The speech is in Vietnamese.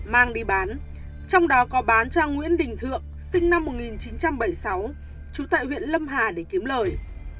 mang đi bán trong đó có bán cho nguyễn đình thượng sinh năm một nghìn chín trăm bảy mươi sáu trú tại huyện lâm hà để kiếm lời